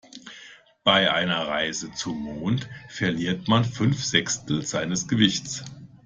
Bei einer Reise zum Mond verliert man fünf Sechstel seines Gewichts.